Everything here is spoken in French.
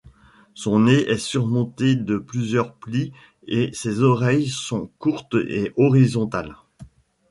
Son nez est surmonté de plusieurs plis et ses oreilles sont courtes et horizontales.